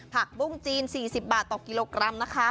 ปุ้งจีน๔๐บาทต่อกิโลกรัมนะคะ